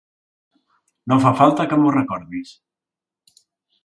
No fa falta que m'ho recordis.